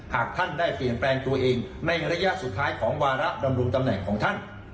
หากท่านได้เปลี่ยนแปลงตัวเองในระยะสุดท้ายของวาระดำรงตำแหน่งของท่าน